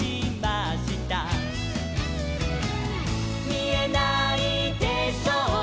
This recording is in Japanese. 「みえないでしょう